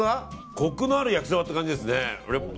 コクのある焼きそばって感じですね。